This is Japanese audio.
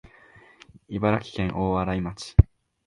茨城県大洗町